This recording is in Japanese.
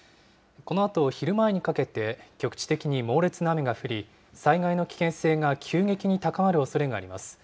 このあと、昼前にかけて、局地的に猛烈な雨が降り、災害の危険性が急激に高まるおそれがあります。